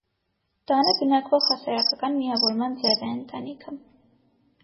Տանը բնակվող հասարակական միավորման ձև է ընտանիքը։